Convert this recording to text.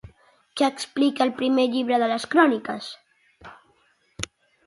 Què explica el Primer llibre de les Cròniques?